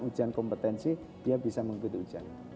ujian kompetensi dia bisa mengikuti ujian